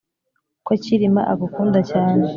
ko cyilima agukunda cyane